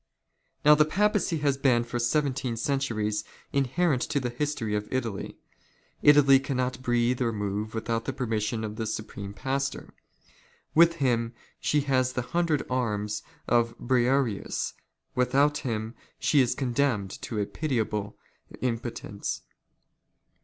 " Now the Papacy has been for seventeen centuries inherent " to the history of Italy. Italy cannot breathe or move without " the permission of the Supreme Pastor. With him she has the hundred arms of Briareus, without him she is condemned to a " pitiable impotence.